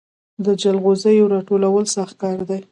د جلغوزیو راټولول سخت کار دی